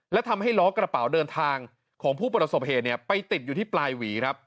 และทำให้ล้อกระเป๋าเดินทางของผู้ประสบเหตุไปติดอยู่ที่ปลายหวีครับ